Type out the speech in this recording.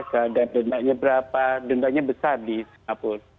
keadaan dendamnya berapa dendamnya besar di singapura